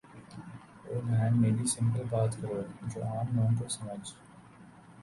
او بہن میری سمپل بات کرو جو عام لوگوں کو سمحجھ